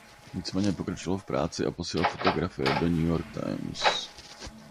Nicméně pokračoval v práci a posílal fotografie do "The New York Times".